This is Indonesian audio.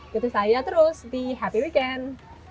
gitu saya terus di happy weekend